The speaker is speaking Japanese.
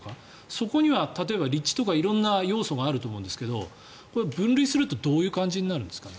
そこには例えば立地とか色んな要素があると思うんですが分類するとどういう感じになるんですかね？